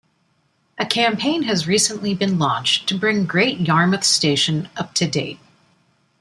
A campaign has recently been launched to bring Great Yarmouth Station up-to-date.